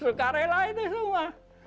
suka rela itu semua